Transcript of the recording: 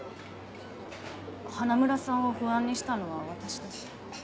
花村さんを不安にしたのは私です。